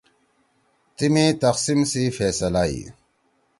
تیِمی تقسیم سی فیصلہ ہی